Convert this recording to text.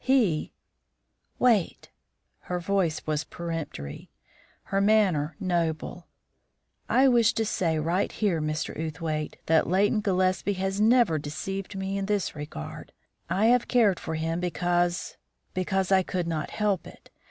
He " "Wait!" Her voice was peremptory; her manner noble. "I wish to say right here, Mr. Outhwaite, that Leighton Gillespie has never deceived me in this regard. I have cared for him because because I could not help it.